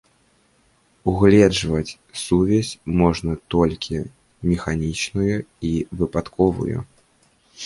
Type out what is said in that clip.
Угледжваць сувязь можна толькі механічную і выпадковую.